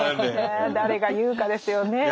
誰が言うかですよね。